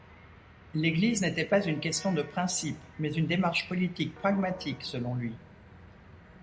L'Église n'était pas une question de principe, mais une démarche politique pragmatique selon lui.